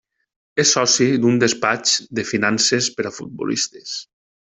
És soci d'un despatx de finances per a futbolistes.